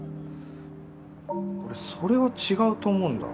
俺それは違うと思うんだ。